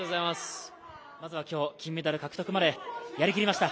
まずは今日、金メダル獲得までやりきりました。